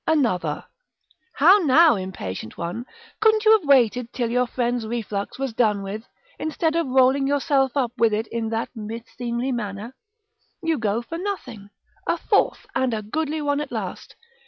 Another: How now, impatient one! couldn't you have waited till your friend's reflux was done with, instead of rolling yourself up with it in that unseemly manner? You go for nothing. A fourth, and a goodly one at last.